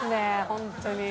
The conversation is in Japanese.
本当に。